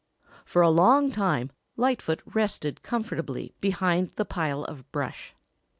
For a long time Lightfoot rested comfortably behind the pile of brush.